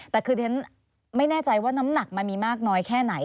แต่คือที่ฉันไม่แน่ใจว่าน้ำหนักมันมีมากน้อยแค่ไหน